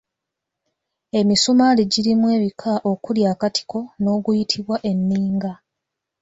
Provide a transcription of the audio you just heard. Emisumaali girimu ebika okuli akatiko n'oguyitibwa enninga.